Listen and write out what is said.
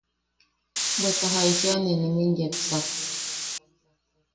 ¿Bweta jaisane nimin yepsak?